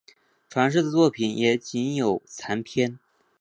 传世的作品也仅有残篇。